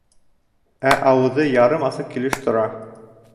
Ә ауыҙы ярым асыҡ килеш тора.